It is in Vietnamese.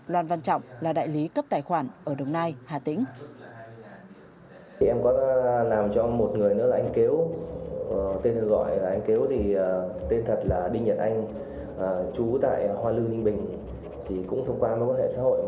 lan văn trọng là đại lý cấp tài khoản ở đồng nai hà tĩnh